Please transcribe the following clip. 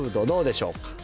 どうでしょうか？